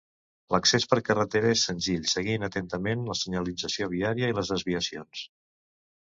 L’accés per carretera és senzill seguint atentament la senyalització viària i les desviacions.